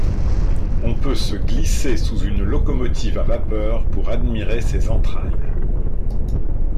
On peut se glisser sous une locomotive à vapeur pour admirer ses entrailles.